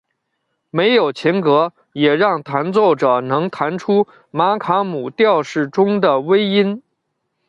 没有琴格也让弹奏者能弹出玛卡姆调式中的微音。